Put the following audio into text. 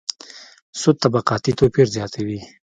سود طبقاتي توپیر زیاتوي.